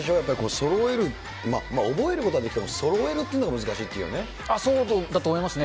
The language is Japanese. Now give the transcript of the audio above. そろえる、覚えることはできても、そろえるっていうのも難しいってそうだと思いますね。